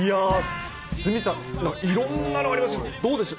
鷲見さん、いろんなのありましたが、どうでした。